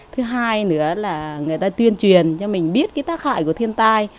thứ hai nữa là người ta tuyên truyền cho mình biết cái tác hại của thiên tai